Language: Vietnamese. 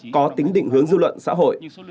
có tính định hướng dư luận xã hội